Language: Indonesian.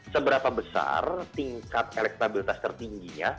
seberapa besar tingkat elektabilitas tertingginya